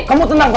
kamu tenang clara